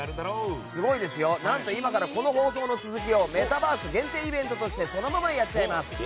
何と、今からこの放送の続きをメタバース限定イベントとしてそのままやっちゃいます。